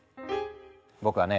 僕はね